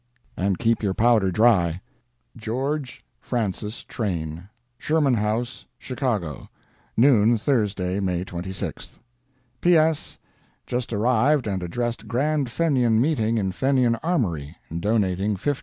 And keep your powder dry. GEO. FRANCIS TRAIN. SHERMAN HOUSE, CHICAGO, NOON, Thursday, May 26. P.S.—Just arrived and addressed grand Fenian meeting in Fenian Armory, donating $50.